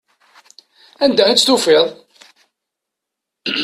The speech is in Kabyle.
Anda i tt-tufiḍ?